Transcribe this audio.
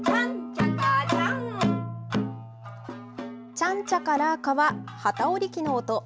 チャンチャカラーカは機織機の音。